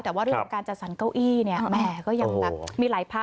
แต่ว่าเรื่องของการจัดสรรเก้าอี้เนี่ยแหมก็ยังแบบมีหลายพัก